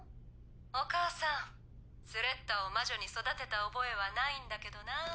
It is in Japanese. お母さんスレッタを魔女に育てた覚えはないんだけどな。